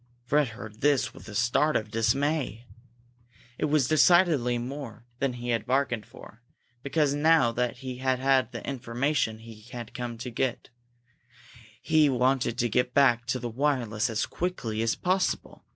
Fred heard this with a start of dismay. It was decidedly more than he had bargained for, because now that he had the information he had come to get, he wanted to get back to the wireless as quickly as possible.